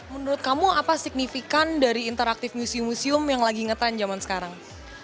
menurut kamu apa signifikan dari interaktif museum museum yang lagi ngetan zaman sekarang